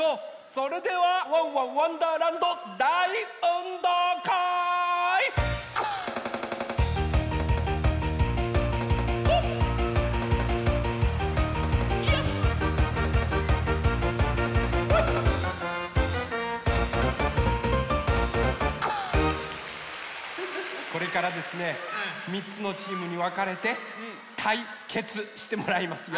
それでは「ワンワンわんだーらんど」だいうんどうかい！これからですね３つのチームにわかれてたい「けつ」してもらいますよ！